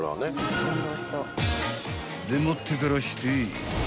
［でもってからして］